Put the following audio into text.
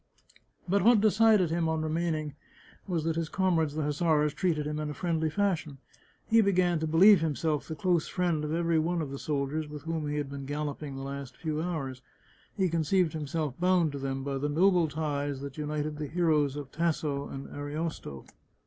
But what decided him on remaining was that his com rades the hussars treated him in a friendly fashion ; he began to believe himself the close friend of every one of the sol diers with whom he had been galloping the last few hours ; he conceived himself bound to them by the noble ties that united the heroes of Tasso and Ariosto.